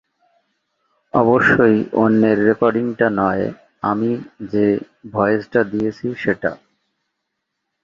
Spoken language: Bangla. তুলা বিশ্বের সবচেয়ে গুরুত্বপূর্ণ প্রাকৃতিক তন্তু।